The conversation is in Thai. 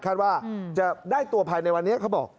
คาดว่าจะได้ตัวภายในวันนี้เขาบอก